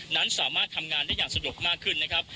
นั้นสามารถทำงานได้อย่างสะดวกมากขึ้นนะครับ